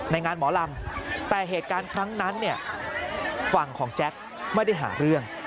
งานหมอลำแต่เหตุการณ์ครั้งนั้นเนี่ยฝั่งของแจ็คไม่ได้หาเรื่อง